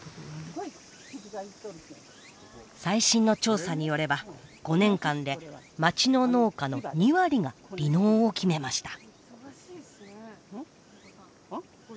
最新の調査によれば５年間で町の農家の２割が離農を決めました。